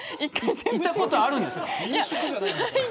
いたことあるんですか。